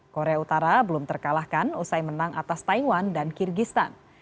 korea utara belum terkalahkan usai menang atas taiwan dan kyrgyzstan